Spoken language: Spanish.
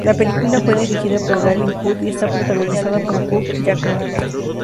La película fue dirigida por Gavin Hood y está protagonizada por Hugh Jackman.